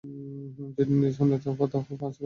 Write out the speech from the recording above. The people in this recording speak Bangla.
যদি নিজের সামলাইতে হতো না, পাঁচ বাচ্চা, তাইলে বুঝতো।